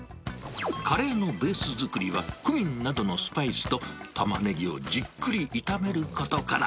カレーのベース作りはクミンなどのスパイスと、タマネギをじっくり炒めることから。